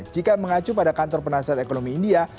jika mengacu pada kantor penasihat ekonomi india